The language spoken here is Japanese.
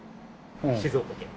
静岡県。